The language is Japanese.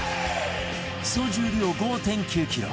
総重量 ５．９ キロ